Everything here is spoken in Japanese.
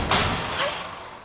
はい！